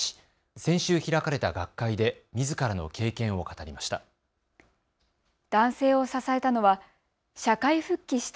先週開かれた学会で、みずからの経験を語りました。